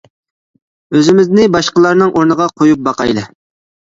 ئۆزىمىزنى باشقىلارنىڭ ئورنىغا قويۇپ باقايلى.